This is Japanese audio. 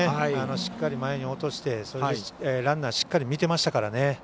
しっかり前に落として、ランナーしっかり見てましたからね。